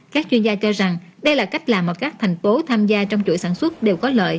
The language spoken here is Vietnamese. các chuyên gia cho rằng đây là cách làm mà các thành tố tham gia trong chuỗi sản xuất đều có lợi